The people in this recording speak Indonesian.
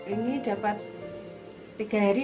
ini dapat tiga hari